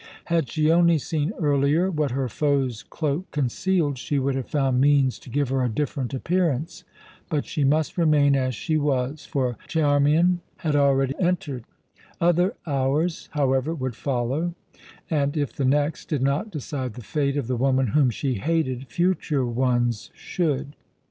Had she only seen earlier what her foe's cloak concealed, she would have found means to give her a different appearance. But she must remain as she was; for Chairman had already entered. Other hours, however, would follow, and if the next did not decide the fate of the woman whom she hated, future ones should.